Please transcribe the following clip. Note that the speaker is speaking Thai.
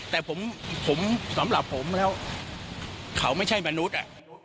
แต่ผมสำหรับผมแล้วเขาไม่ใช่มนุษย์